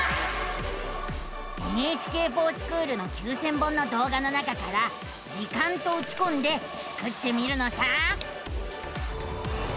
「ＮＨＫｆｏｒＳｃｈｏｏｌ」の９，０００本のどう画の中から「時間」とうちこんでスクってみるのさ！